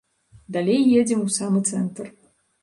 Далей едзем у самы цэнтр.